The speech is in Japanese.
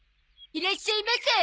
いらっしゃいませ。